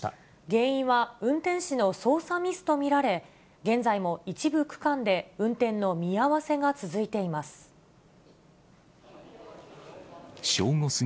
原因は運転士の操作ミスと見られ、現在も一部区間で運転の見合わせが続いています。